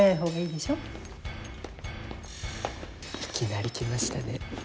いきなり来ましたね。